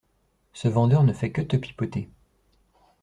Ce vendeur ne fait que te pipeauter.